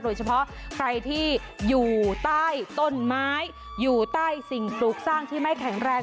โดยเฉพาะใครที่อยู่ใต้ต้นไม้อยู่ใต้สิ่งปลูกสร้างที่ไม่แข็งแรง